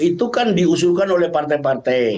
itu kan diusulkan oleh partai partai